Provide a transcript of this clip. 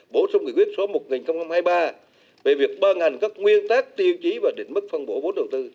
bổ sung kỷ quyết số một nghìn hai mươi ba